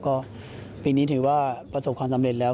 ก็ปีนี้ถือว่าประสบความสำเร็จแล้ว